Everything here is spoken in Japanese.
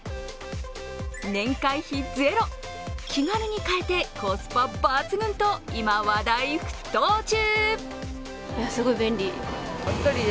年会費ゼロ、気軽に買えてコスパ抜群と今、話題沸騰中。